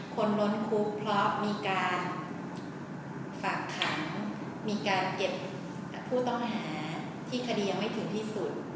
คนล้นคุกเพราะมีการฝากขังมีการเก็บผู้ต้องหาที่คดียังไม่ถึงที่สุด